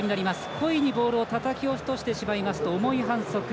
故意にボールをたたき落としてしまいますと重い反則。